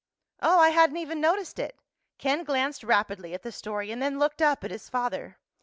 '" "Oh. I hadn't even noticed it." Ken glanced rapidly at the story and then looked up at his father.